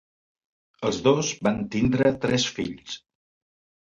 Els dos van tindre tres fills.